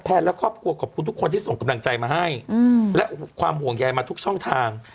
และครอบครัวขอบคุณทุกคนที่ส่งกำลังใจมาให้และความห่วงใยมาทุกช่องทาง